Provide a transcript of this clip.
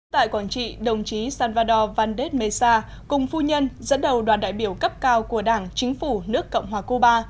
tại quảng trị đồng chí salvador valdes mesa cùng phu nhân dẫn đầu đoàn đại biểu cấp cao của đảng chính phủ nước cộng hòa cuba